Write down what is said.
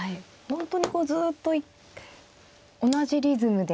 本当にこうずっと同じリズムで。